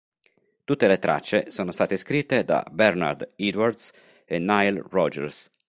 Tutte le tracce sono state scritte da Bernard Edwards e Nile Rodgers.